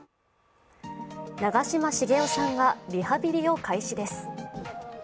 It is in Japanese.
長嶋茂雄さんがリハビリを開始です。